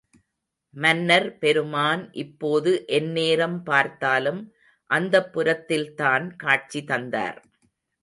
மன்னர் பெருமான் இப்போது எந்நேரம் பார்த்தாலும் அந்தப்புரத்தில்தான் காட்சி தந்தார்.